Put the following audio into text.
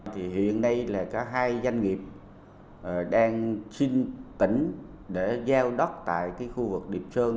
thì hiện nay là cả hai doanh nghiệp đang xin tỉnh để giao đất tại cái khu vực điệp sơn